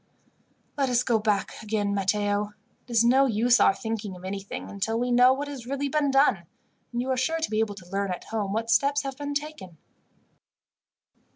"Let us go back again, Matteo. It is no use our thinking of anything until we know what has really been done, and you are sure to be able to learn, at home, what steps have been taken."